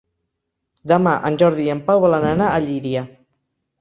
Demà en Jordi i en Pau volen anar a Llíria.